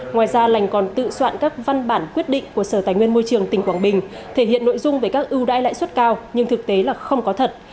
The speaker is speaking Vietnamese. ngoài ra lành còn tự soạn các văn bản quyết định của sở tài nguyên môi trường tỉnh quảng bình thể hiện nội dung về các ưu đãi lãi suất cao nhưng thực tế là không có thật